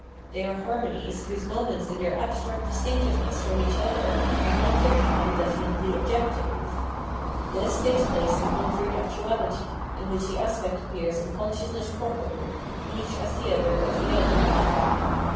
They are harmonies whose moments in their abstract distinctiveness from each other have not yet become definitely objective : this takes place in concrete actuality, in which the aspects The Moral View of the World 617 appear in consciousness proper, eacli as the other of the other.